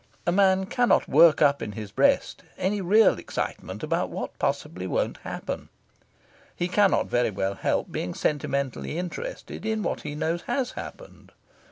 A man cannot work up in his breast any real excitement about what possibly won't happen. He cannot very well help being sentimentally interested in what he knows has happened.